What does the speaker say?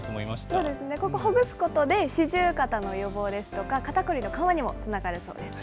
そうですね、ここほぐすことで四十肩の予防ですとか、肩凝りの緩和にもつながるそうです。